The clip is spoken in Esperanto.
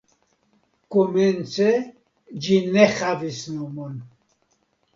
Komence ĝi ne havis nomon.